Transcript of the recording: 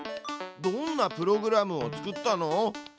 どんなプログラムを作ったの？